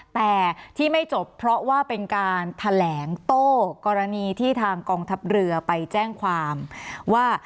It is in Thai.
แต่ที่ไม่จบเพราะว่าเป็นการแถลงโต้กรณีที่ทางกองทัพเรือไปแจ้งความว่า